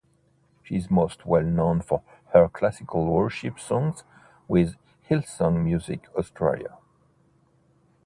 She is most well known for her classical worship songs with Hillsong Music Australia.